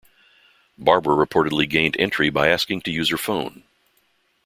Barbara reportedly gained entry by asking to use her phone.